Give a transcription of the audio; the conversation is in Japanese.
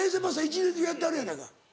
一年中やってはるやないかい。